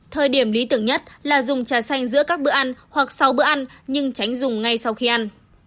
thời điểm lý tưởng nhất là dùng trà xanh giữa các bữa ăn hoặc sau bữa ăn nhưng tránh dùng ngay sau khi ăn